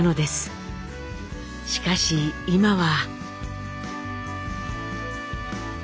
しかし今は。